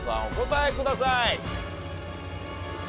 お答えください。